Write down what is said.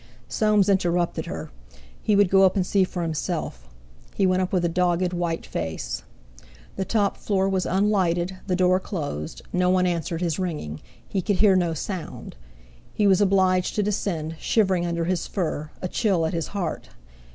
Soames interrupted her, he would go up and see for himself. He went up with a dogged, white face. The top floor was unlighted, the door closed, no one answered his ringing, he could hear no sound. He was obliged to descend, shivering under his fur, a chill at his heart.